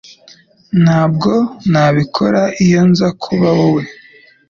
Ntabwo nabikora iyo nza kuba wowe